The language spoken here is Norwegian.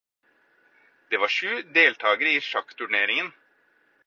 Det var sju deltakere i sjakkturneringen.